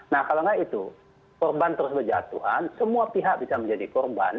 nah kalau nggak itu korban terus berjatuhan semua pihak bisa menjadi korban